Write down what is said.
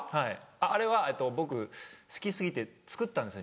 あれは僕好き過ぎて造ったんですよ